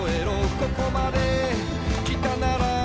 「ここまで来たなら」